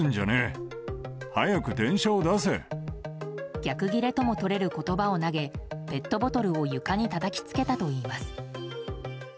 逆ギレともとれる言葉を投げペットボトルを床にたたきつけたといいます。